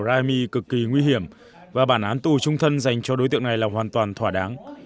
raimi cực kỳ nguy hiểm và bản án tù trung thân dành cho đối tượng này là hoàn toàn thỏa đáng